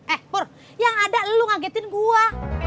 eh pur yang ada lu ngagetin gua